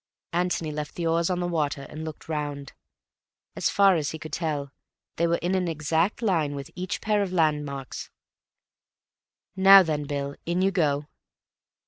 Antony left the oars on the water and looked around. As far as he could tell, they were in an exact line with each pair of landmarks. "Now then, Bill, in you go."